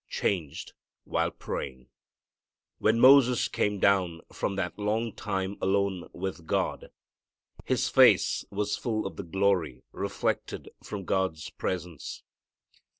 Changed while praying. When Moses came down from that long time alone with God, his face was full of the glory reflected from God's presence.